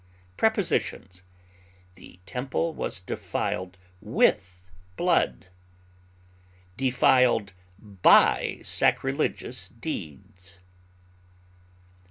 Prepositions: The temple was defiled with blood; defiled by sacrilegious deeds.